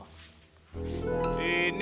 ini gue perhatiin juga